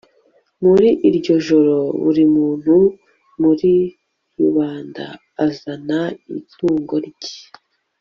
muri iryo joro, buri muntu muri rubanda azana itungo rye